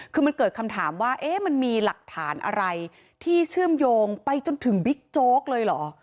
คือมันเกิดคำถามว่ามันมีหลักฐานอะไรที่เชื่อมโยงไปจนถึงบิ๊กโจ๊กเลยเหรอ